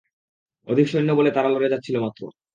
অধিক সৈন্য বলে তারা লড়ে যাচ্ছিল মাত্র।